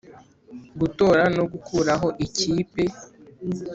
Gutora no gukuraho ikipe